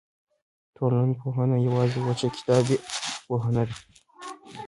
ټولنپوهنه یوازې وچه کتابي پوهه نه ده.